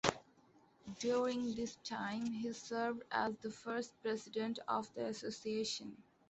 During this time he served as the first president of the association.